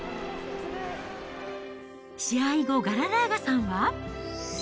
試合後、ガララーガさんは。